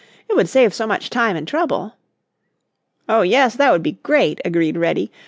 It would save so much time and trouble." "Oh, yes, that would be great," agreed Reddy.